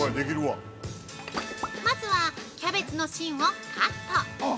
まずはキャベツの芯をカット！